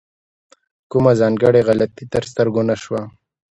کومه ځانګړې غلطي تر سترګو نه شوه.